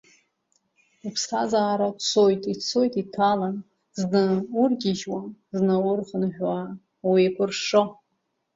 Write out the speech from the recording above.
Уԥсҭазаара цоит, ицоит иҭалан, зны ургьежьуа, зны урхынҳәуа уеикәыршо.